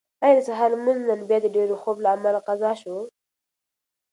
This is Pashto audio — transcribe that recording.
ایا د سهار لمونځ نن بیا د ډېر خوب له امله قضا شو؟